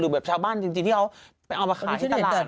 แบบชาวบ้านจริงที่เขาไปเอามาขายที่ตลาด